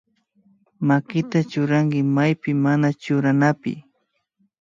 Makita churanki maypi mana churanapi